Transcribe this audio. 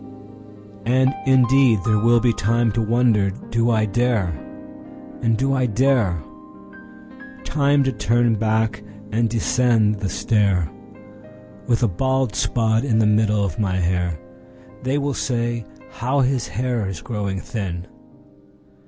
And indeed there will be timeTo wonder, "Do I dare?" and, "Do I dare?"Time to turn back and descend the stair, With a bald spot in the middle of my hair—(They will say: "How his hair is growing thin!")